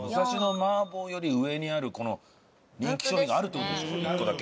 麻婆より上にある人気商品があるって事でしょ１個だけ。